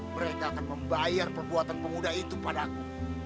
mereka akan membayar perbuatan pemuda itu padaku